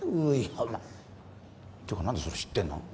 お前ていうか何でそれ知ってんの？